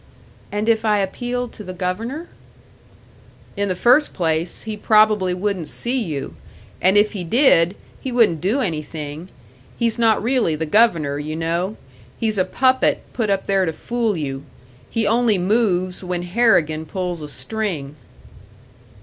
"And if I appealed to the Governor?" "In the first place, he probably wouldn't see you. And if he did, he wouldn't do anything. He's not really the Governor, you know; he's a puppet put up there to fool you. He only moves when Harrigan pulls a string."